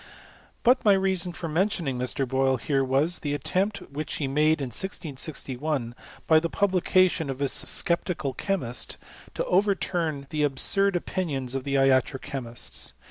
But my reason for mentioning Mr. Boyle here was, the attempt which he made in 1661, by the publica tion of his Sceptical Chemist, to overturn the absurd 0|Hnions of the iatro chemists.